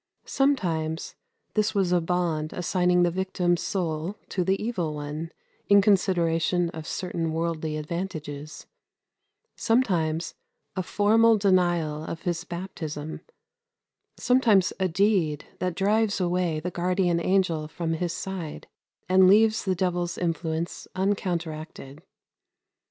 Sometimes this was a bond assigning the victim's soul to the Evil One in consideration of certain worldly advantages; sometimes a formal denial of his baptism; sometimes a deed that drives away the guardian angel from his side, and leaves the devil's influence uncounteracted.